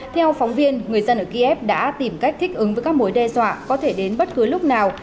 theo phóng viên người dân ở kiev đã tìm cách thích ứng với các mối đe dọa có thể đến bất cứ lúc nào